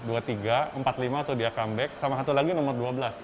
dua puluh tiga empat puluh lima waktu dia comeback sama satu lagi nomor dua belas